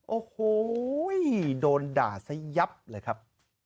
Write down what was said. โอ้โหโดนด่าซะยับเลยครับ